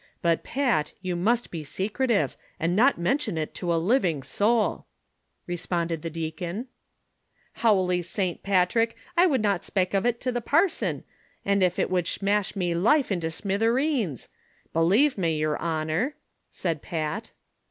But, Pat, you must be secretive, and not mention it to a living soul," responded the deacon. "Howly Sant Patrick, I would not spake ov it to any parson, an' ef it would smash me life into smithereens ; be lave me, yer honor," said Pat.